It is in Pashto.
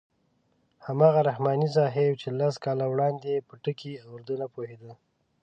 هماغه رحماني صاحب چې لس کاله وړاندې په ټکي اردو نه پوهېده.